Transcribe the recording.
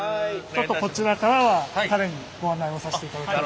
ちょっとこちらからは彼にご案内をさせていただきたいと。